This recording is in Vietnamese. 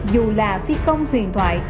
dù là phi công huyền thoại